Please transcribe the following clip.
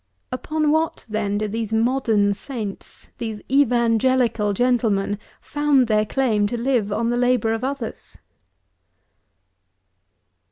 Upon what, then, do these modern saints; these evangelical gentlemen, found their claim to live on the labour of others.